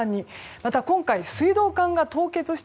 また、今回、水道管が凍結して